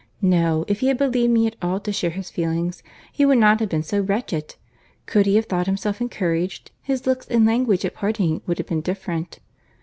No, if he had believed me at all to share his feelings, he would not have been so wretched. Could he have thought himself encouraged, his looks and language at parting would have been different.